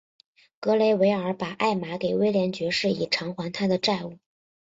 格雷维尔把艾玛给威廉爵士以偿还他的债务。